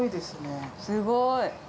すごい。